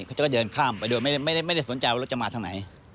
เขาก็เดินข้ามไปโดยไม่ได้สนใจว่ารถจะมาทางไหน